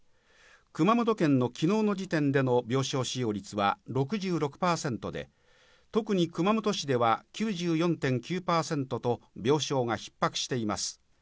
熊本県の昨日の時点での病床使用率は６６％で、特に熊本市では９４．９％と病床が逼迫しています。